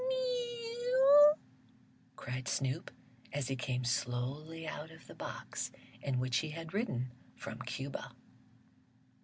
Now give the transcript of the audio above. "Meouw!" cried Snoop, as he came slowly out of the box in which he had ridden from Cuba.